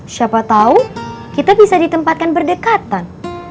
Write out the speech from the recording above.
siapa tahu kita bisa ditempatkan berdekatan